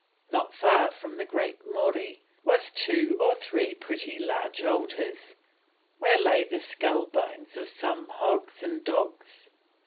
Not far from the Great Morie, was 2 or 3 pretty large altars, where lay the scull bones of some Hogs and Dogs.